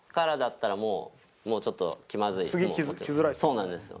そうなんですよ。